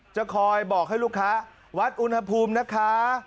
จะคอยบอกให้ลูกค้าวัดอุณหภูมินะคะ